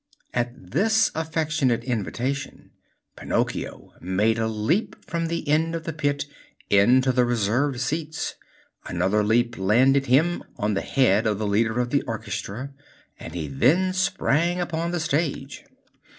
At this affectionate invitation Pinocchio made a leap from the end of the pit into the reserved seats; another leap landed him on the head of the leader of the orchestra, and he then sprang upon the stage.